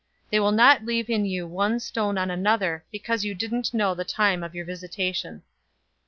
They will not leave in you one stone on another, because you didn't know the time of your visitation."